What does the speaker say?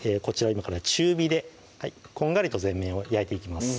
今から中火でこんがりと全面を焼いていきます